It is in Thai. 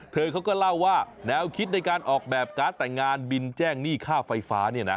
เธอเขาก็เล่าว่าแนวคิดในการออกแบบการ์ดแต่งงานบินแจ้งหนี้ค่าไฟฟ้าเนี่ยนะ